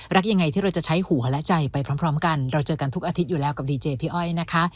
รักยังไงที่เราจะใช้หัวและใจไปพร้อมกันเราเจอกันทุกอาทิตย์อยู่แล้วกับดีเจพี่อ้อยนะคะ